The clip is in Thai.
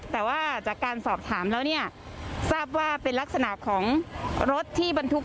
แต่ว่าจากการสอบถามแล้วเนี่ยทราบว่าเป็นลักษณะของรถที่บรรทุก